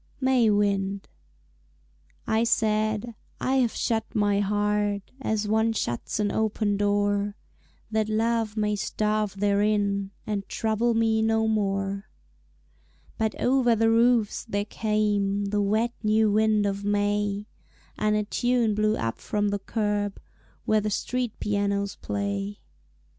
May Wind I said, "I have shut my heart As one shuts an open door, That Love may starve therein And trouble me no more." But over the roofs there came The wet new wind of May, And a tune blew up from the curb Where the street pianos play.